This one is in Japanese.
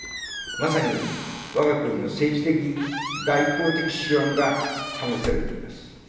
まさに、わが国の政治的、外交的手腕が試されています。